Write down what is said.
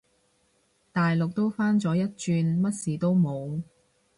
大陸都返咗一轉，乜事都冇